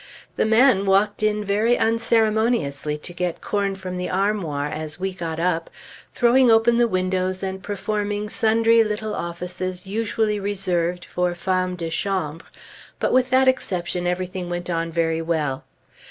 The man walked in very unceremoniously to get corn from the armoir as we got up, throwing open the windows and performing sundry little offices usually reserved for femmes de chambre; but with that exception everything went on very well.